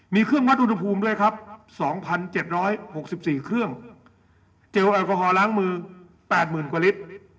มีเครื่องวัดอุณหภูมิด้วยครับ๒๗๖๔เครื่องเจลแอลกอฮอลล้างมือ๘๐๐๐กว่าลิตร